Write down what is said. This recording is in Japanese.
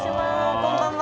こんばんは。